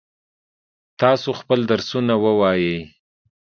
تاسو خپل درسونه ووایئ.